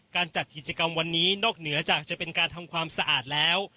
จัดกิจกรรมวันนี้นอกเหนือจากจะเป็นการทำความสะอาดแล้ว